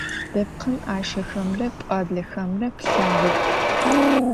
Depkhım 'aşşexemre p'uablexemre pılhağex.